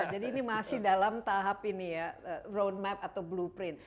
jadi ini masih dalam tahap ini ya road map atau blueprint